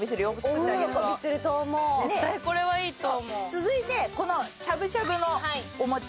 続いてこのしゃぶしゃぶのお餅。